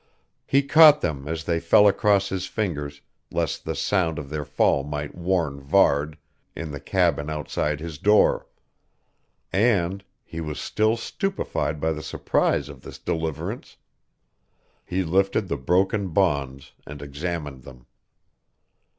He caught them as they fell across his fingers, lest the sound of their fall might warn Varde, in the cabin outside his door; and he was still stupefied by the surprise of this deliverance he lifted the broken bonds and examined them....